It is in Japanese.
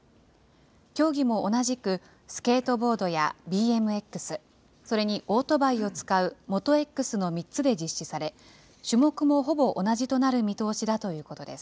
競技も同じく、スケートボードやＢＭＸ、それにオートバイを使うＭｏｔｏＸの３つで実施され、種目もほぼ同じとなる見通しだということです。